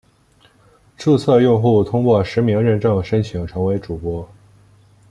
注册用户通过实名认证申请成为主播。